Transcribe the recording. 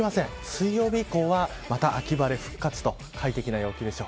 水曜日以降は、また秋晴れが復活と快適な陽気です。